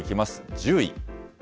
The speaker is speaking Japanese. １０位。